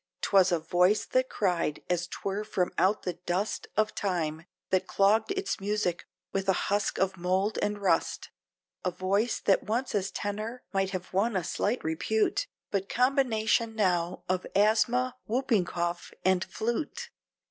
'twas a voice that cried as 'twere from out the dust Of time, that clogged its music, with a husk of mould and rust, A voice that once as tenor, might have won a slight repute, But combination now of asthma, whooping cough, and flute.